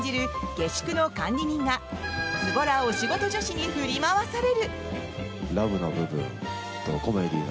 下宿の管理人がずぼらお仕事女子に振り回される！